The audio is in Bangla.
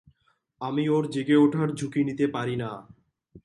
আমি ওর জেগে ওঠার ঝুঁকি নিতে পারি না।